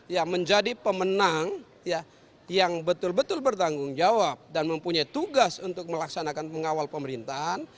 ya menjadi pemenang ya yang betul betul bertanggung jawab dan mempunyai tugas untuk melaksanakan pengawal pemerintahan